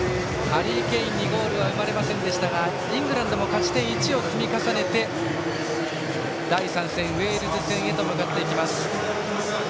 ハリー・ケインにゴールは生まれませんでしたがイングランドも勝ち点１を積み重ねて第３戦、ウェールズ戦へ向かいます。